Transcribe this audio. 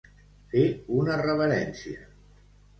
Fer una reverència.